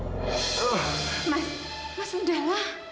mas mas sudah lah